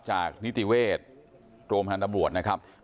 จากนิติเวชโรงพันธบรวจนะครับ